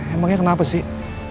emangnya kenapa sih